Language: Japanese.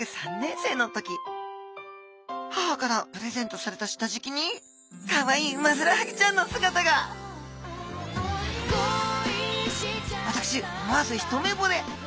母からプレゼントされた下じきにかわいいウマヅラハギちゃんの姿が私思わず一目ぼれ。